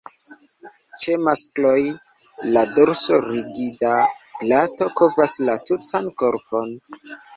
Ĉe maskloj, la dorsa rigida plato kovras la tutan korpon.